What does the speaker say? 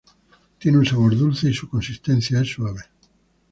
Tiene un sabor dulce y su consistencia es suave.